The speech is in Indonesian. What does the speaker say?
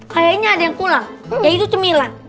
kayaknya ada yang kurang yaitu cemilan